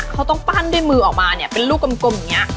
เขาต้องปั้นด้วยมือออกมาเนี่ยเป็นลูกกลมอย่างนี้